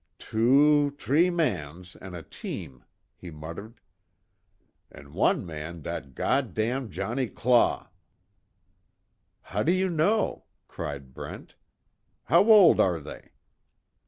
"Two t'ree mans, an' a team," he muttered, "An' wan man dat Godam Johnnie Claw!" "How do you know?" cried Brent, "How old are they?"